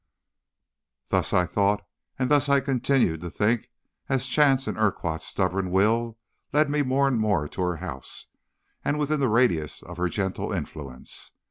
"Thus I thought, and thus I continued to think as chance and Urquhart's stubborn will led me more and more to her house, and within the radius of her gentle influence.